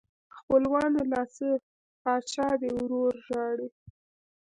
خپلوانو لا څه پاچا دې ورور ژاړي.